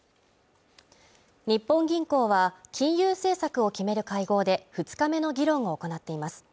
日本銀行は、金融政策を決める会合で、２日目の議論を行っています。